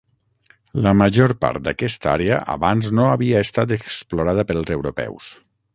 La major part d'aquesta àrea abans no havia estat explorada pels europeus.